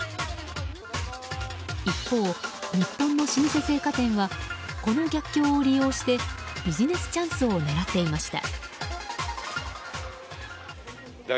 一方、日本の老舗青果店はこの逆境を利用してビジネスチャンスを狙っていました。